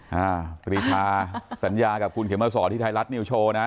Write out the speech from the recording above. ห้าปริศาสัญญากับกวลเขมอสรที่ไทยรัฐนิวโชว์นะ